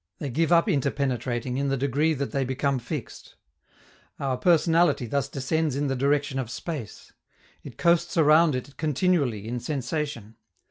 They give up interpenetrating in the degree that they become fixed. Our personality thus descends in the direction of space. It coasts around it continually in sensation.